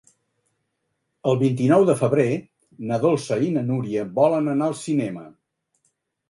El vint-i-nou de febrer na Dolça i na Núria volen anar al cinema.